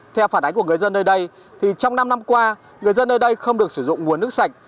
theo phản ánh của người dân nơi đây trong năm năm qua người dân nơi đây không được sử dụng nguồn nước sạch